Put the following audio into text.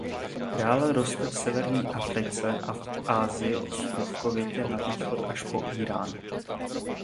Dále roste v severní Africe a v Asii ostrůvkovitě na východ až po Írán.